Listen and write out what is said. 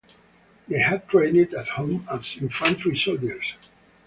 They had trained at home as infantry soldiers.